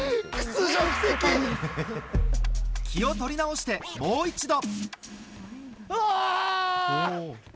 気を取り直して、もう一度。